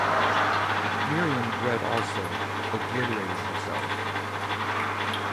Miriam read also, obliterating herself.